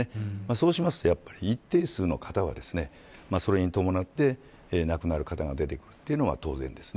そうしますと、一定数の方はそれに伴って亡くなる方が出てくるのは当然です。